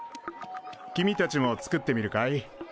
君たちも作ってみるかい？